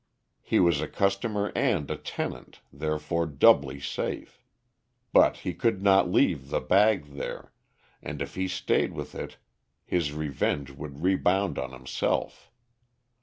He was a customer and a tenant, therefore doubly safe. But he could not leave the bag there, and if he stayed with it his revenge would rebound on himself.